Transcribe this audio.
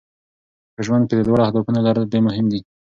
په ژوند کې د لوړو اهدافو لرل ډېر مهم دي.